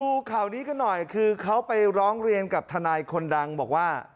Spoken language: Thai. ดูข่าวนี้กันหน่อยคือเขาไปร้องเรียนกับทนายคนดังบอกว่า